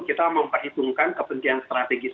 kita memperhitungkan kepentingan strategis